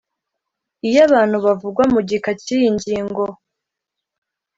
Iyo abantu bavugwa mu gika cy iyi ngingo